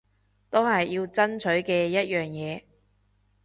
都係要爭取嘅一樣嘢